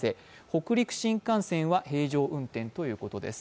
北陸新幹線は平常運転ということです。